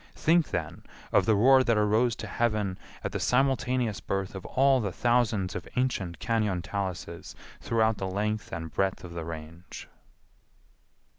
Think, then, of the roar that arose to heaven at the simultaneous birth of all the thousands of ancient cañon taluses throughout the length and breadth of the Range!